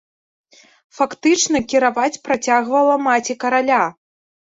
Фактычна кіраваць працягвала маці караля.